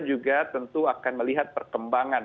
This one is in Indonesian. juga tentu akan melihat perkembangan